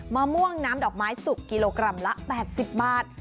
มะม่วงน้ำดอกไม้สุกกิโลกรัมละ๘๐บาท